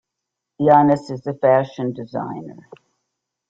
Yannis is a fashion designer.